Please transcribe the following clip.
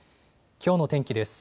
きょうの天気です。